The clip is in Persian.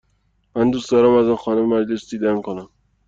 من دوست دارم از خانه مجلس دیدن کنم.